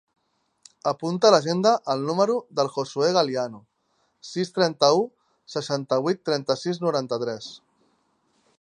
Apunta a l'agenda el número del Josuè Galiano: sis, trenta-u, seixanta-vuit, trenta-sis, noranta-tres.